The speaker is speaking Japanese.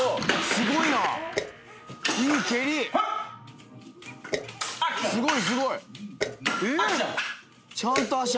すっごい！